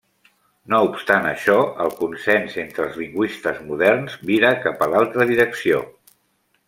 No obstant això, el consens entre els lingüistes moderns vira cap a l'altra direcció.